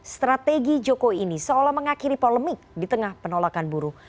strategi jokowi ini seolah mengakhiri polemik di tengah penolakan buruh